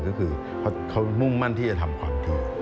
ก็คือเขามุ่งมั่นที่จะทำความดี